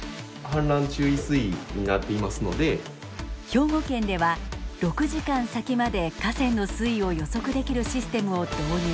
兵庫県では６時間先まで河川の水位を予測できるシステムを導入。